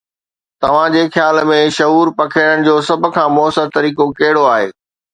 توهان جي خيال ۾ شعور پکيڙڻ جو سڀ کان مؤثر طريقو ڪهڙو آهي؟